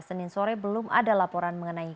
senin sore belum ada laporan mengenai